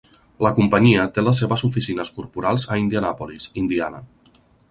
La companyia té les seves oficines corporals a Indianapolis, Indiana.